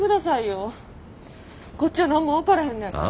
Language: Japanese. こっちは何も分からへんのやから。